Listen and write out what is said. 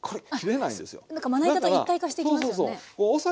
なんかまな板と一体化していきますよね。